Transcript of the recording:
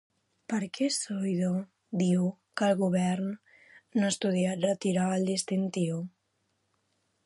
Per què Zoido diu que el govern no ha estudiat retirar el distintiu?